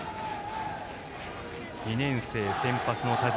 ２年生、先発の田嶋。